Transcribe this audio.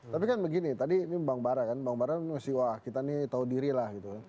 tapi kan begini tadi bang bara kan bang bara ngasih wah kita nih tahu diri lah gitu